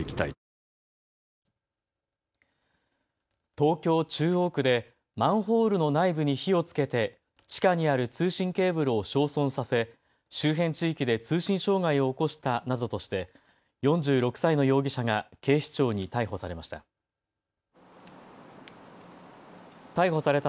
東京中央区でマンホールの内部に火をつけて地下にある通信ケーブルを焼損させ周辺地域で通信障害を起こしたなどとして４６歳の容疑者が警視庁に逮捕されました。